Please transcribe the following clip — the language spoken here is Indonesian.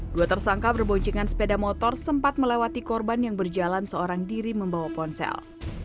dua tersangka berboncengan sepeda motor sempat melewati korban yang berjalan seorang diri membawa ponsel